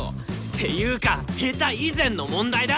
ていうか下手以前の問題だ！